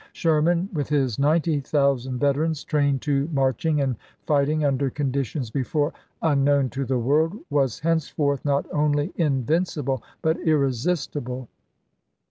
Sherman, with his 90,000 veterans, trained to marching and fight ing under conditions before unknown to the world, was henceforth not only invincible, but irresistible.